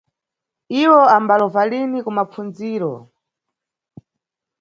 Iwo ambalova lini ku mapfundziro.